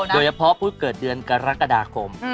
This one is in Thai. โดยเฉพาะผู้เกิดเดือนกรกฎาคม